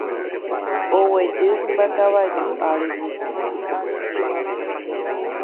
Oguejy hymba kavaju árigui.